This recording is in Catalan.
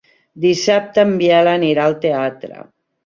Dissabte en Biel anirà al teatre.